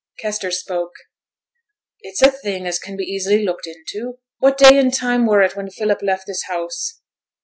Kester spoke. 'It's a thing as can be easy looked into. What day an' time were it when Philip left this house?'